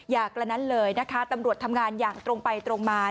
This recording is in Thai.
กระนั้นเลยนะคะตำรวจทำงานอย่างตรงไปตรงมา